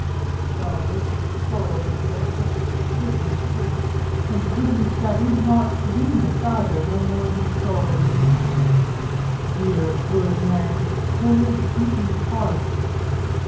"Well, there is sorrow in the world, but goodness too; and goodness that is not greenness, either, no more than sorrow is. Dear good man. Poor beating heart!"